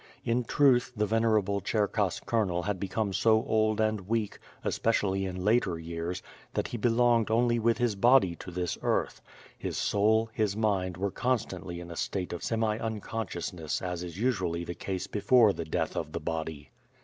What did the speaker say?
In truth the venerable Cherkass colonel had become so old and weak, especially in later years, that lie be longed only with his body to this earth; his soul, his mind were constantly in a state of semi unconsciousness as is usu ally the ease before the death of the body.